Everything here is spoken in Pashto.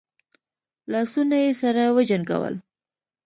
لاسونه يې سره وجنګول.